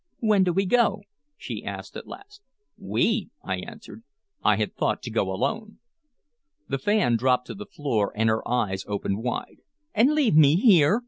"When do we go?" she asked at last. "We!" I answered. "I had thought to go alone." The fan dropped to the floor, and her eyes opened wide. "And leave me here!"